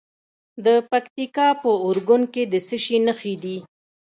د پکتیکا په اورګون کې د څه شي نښې دي؟